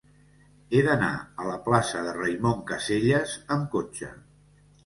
He d'anar a la plaça de Raimon Casellas amb cotxe.